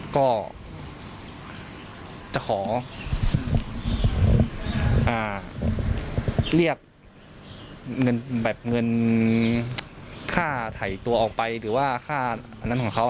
ก็จะขอเรียกเงินแบบเงินค่าถ่ายตัวออกไปหรือว่าค่าอันนั้นของเขา